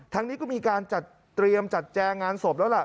ทางนี้ก็มีการจัดเตรียมจัดแจงงานศพแล้วล่ะ